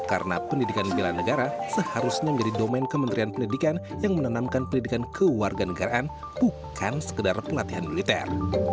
karena pendidikan bila negara seharusnya menjadi domen kementerian pendidikan yang menanamkan pendidikan kewarga negaraan bukan sekadar pelatihan militer